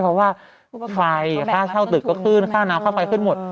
เพราะว่าไฟค่าเช่าตึกก็ขึ้นค่าน้ำค่าไฟขึ้นหมด